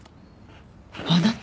あなた。